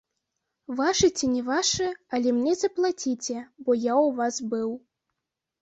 Вашы ці не вашы, але мне заплаціце, бо я ў вас быў.